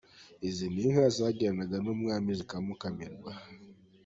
Izi ni inka zagendanaga n’Umwami zikamukamirwa.